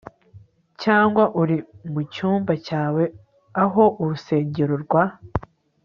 Cyangwa uri mucyumba cyawe aho urusengero rwa